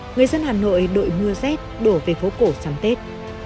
người dân hà nội đội mưa rét đổ về phố cổ sắm tết